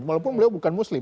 walaupun beliau bukan muslim